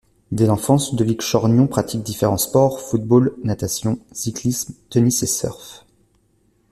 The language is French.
Dès l'enfance, Ludovic Chorgnon pratique différents sports; football, natation, cyclisme, tennis et surf.